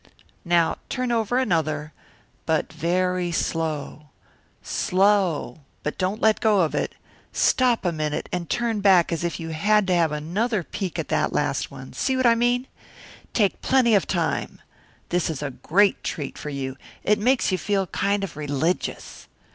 "Now turn over another, but very slow slow but don't let go of it. Stop a minute and turn back as if you had to have another peek at the last one, see what I mean? Take plenty of time. This is a great treat for you. It makes you feel kind of religious.